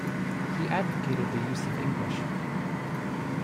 He advocated the use of English.